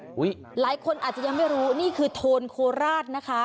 หลายคนอาจจะยังไม่รู้นี่คือโทนโคราชนะคะ